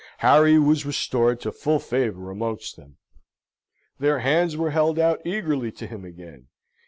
Harry was restored to full favour amongst them. Their hands were held out eagerly to him again.